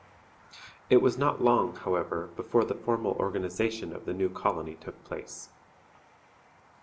] It was not long, however, before the formal organization of the new colony took place.